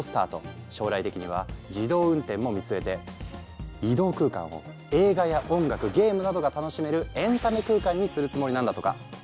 将来的には自動運転も見据えて移動空間を映画や音楽ゲームなどが楽しめるエンタメ空間にするつもりなんだとか。